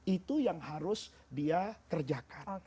itu yang harus dia kerjakan